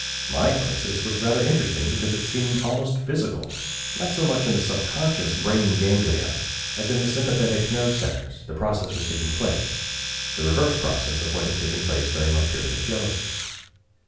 My crisis was rather interesting because it seemed almost physical. Not so much in the subconscious brain ganglia as in the sympathetic nerve centres, the process was taking place the reverse process of what had taken place during my period of jealousy.